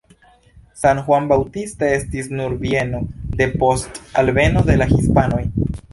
San Juan Bautista estis nur bieno depost alveno de la hispanoj.